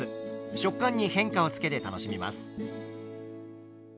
食感に変化をつけて楽しみます。